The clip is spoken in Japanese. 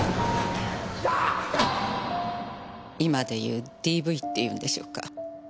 今で言うＤＶって言うんでしょうか。